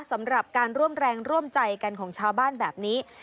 สำหรับการร่วมแรงร่วมใจกันของชาวบ้านแบบนี้